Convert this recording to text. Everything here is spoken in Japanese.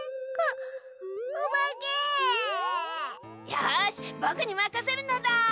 よしぼくにまかせるのだ。